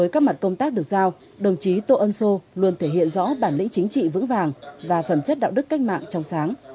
công tác được giao đồng chí tô ân sô luôn thể hiện rõ bản lĩnh chính trị vững vàng và phần chất đạo đức cách mạng trong sáng